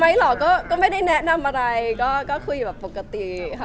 แนะนำไหมหรอก็ไม่ได้แนะนำอะไรก็คุยแบบปกติค่ะ